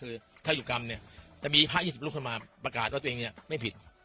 คือถ้าอยู่กรรมเนี่ยจะมีพระ๒๐รูปขึ้นมาประกาศว่าตัวเองเนี่ยไม่ผิด